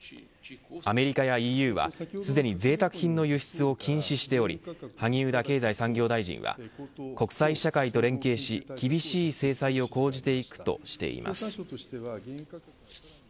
アメリカやＥＵはすでにぜいたく品の輸出を禁止しており萩生田経済産業大臣は国際社会と連携し厳しい制裁を講じていくとしています。